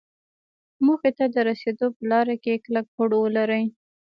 موخې ته د رسېدو په لاره کې کلک هوډ ولري.